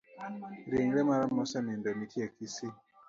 Rigre mar mosenindo nitie kisii.